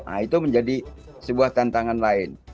nah itu menjadi sebuah tantangan lain